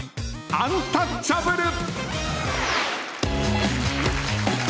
アンタッチャブル。